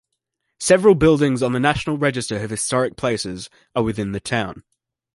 Several buildings on the National Register of Historic Places are within the town.